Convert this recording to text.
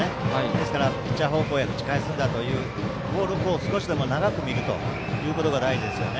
ですから、ピッチャー方向へ打ち返すんだと、ボールを少しでも長く見ることが大事ですよね。